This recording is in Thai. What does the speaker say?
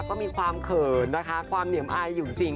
ก็มีความเขินนะคะความเหนียมอายอยู่จริง